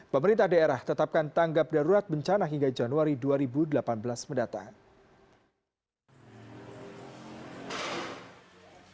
pemerintah daerah tetapkan tanggap darurat bencana hingga januari dua ribu delapan belas mendatang